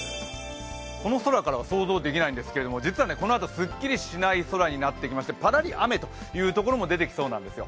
この空からは想像できないんですけど実はこのあと、すっきりしない空になってきまして、パラリ雨というところも出てきそうなんですよ